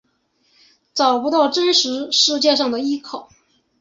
找不到真实世界中的依靠